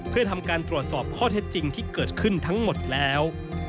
เพื่อทำการตรวจสอบข้อเท็จจริงที่เกิดขึ้นทั้งหมดแล้ว